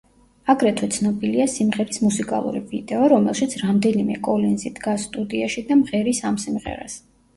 აგრეთვე ცნობილია სიმღერის მუსიკალური ვიდეო, რომელშიც რამდენიმე კოლინზი დგას სტუდიაში და მღერის ამ სიმღერას.